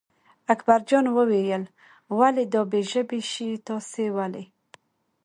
اکبرجان وویل ولې دا بې ژبې شی تاسې ولئ.